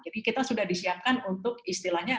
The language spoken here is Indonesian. jadi kita sudah disiapkan untuk istilahnya